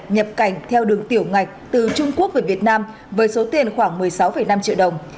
nhập cảnh theo đường tiểu ngạch từ trung quốc về việt nam với số tiền khoảng một mươi sáu năm triệu đồng